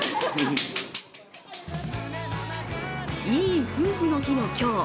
いい夫婦の日の今日